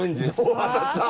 おっ当たった